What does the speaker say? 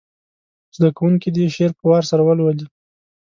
زده کوونکي دې شعر په وار سره ولولي.